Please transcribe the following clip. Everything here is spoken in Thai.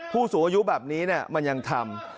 ผู้สูงอายุแบบนี้มันยังทำ